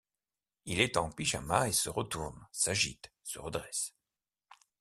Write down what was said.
Il est en pyjama, et se retourne, s'agite, se redresse.